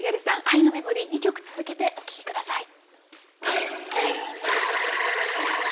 「愛のメモリー」２曲続けてお聴き下さい。